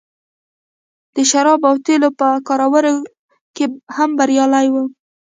د شرابو او تیلو په کاروبار کې هم بریالی و